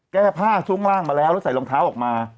แก้ผ้าช่วงล่างมาแล้วแล้วใส่รองเท้าออกมา